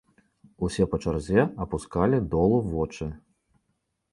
Усе па чарзе апускалі долу вочы.